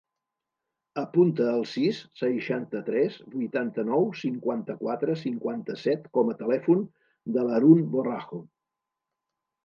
Apunta el sis, seixanta-tres, vuitanta-nou, cinquanta-quatre, cinquanta-set com a telèfon de l'Haroun Borrajo.